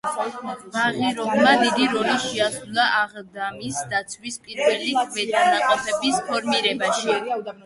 ბაღიროვმა დიდი როლი შეასრულა აღდამის დაცვის პირველი ქვედანაყოფების ფორმირებაში.